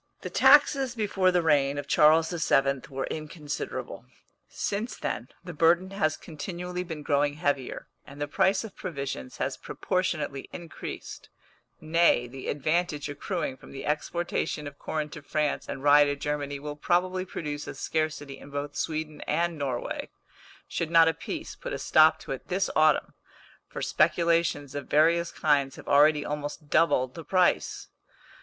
The taxes before the reign of Charles XII. were inconsiderable. Since then the burden has continually been growing heavier, and the price of provisions has proportionately increased nay, the advantage accruing from the exportation of corn to France and rye to Germany will probably produce a scarcity in both Sweden and Norway, should not a peace put a stop to it this autumn, for speculations of various kinds have already almost doubled the price.